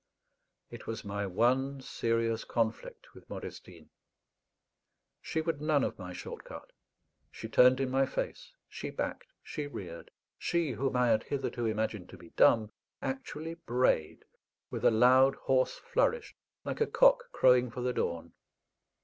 It was my one serious conflict with Modestine. She would none of my short cut; she turned in my face; she backed, she reared; she, whom I had hitherto imagined to be dumb, actually brayed with a loud hoarse flourish, like a cock crowing for the dawn.